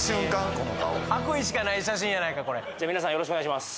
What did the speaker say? この顔悪意しかない写真やないかこれじゃあ皆さんよろしくお願いします